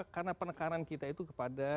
karena penekanan kita itu kepada